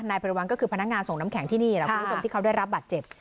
พระวัลก็คือพนักงานส่งน้ำแข็งที่นี่แหละคุณผู้ชมที่เขาได้รับบาดเจ็บ